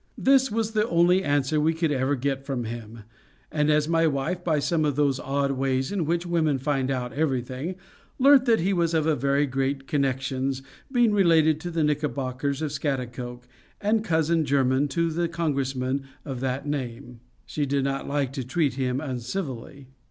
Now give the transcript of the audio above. This was the only answer we could ever get from him; and as my wife, by some of those odd ways in which women find out everything, learnt that he was of very great connections, being related to the Knickerbockers of Scaghtikoke, and cousin german to the Congressman of that name, she did not like to treat him uncivilly.